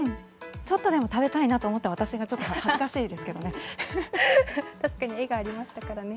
ちょっとでも食べたいなと思った私が恥ずかしいですけどね。